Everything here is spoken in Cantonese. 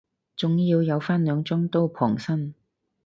總要有返兩張刀傍身